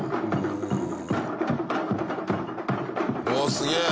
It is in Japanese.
すげえ！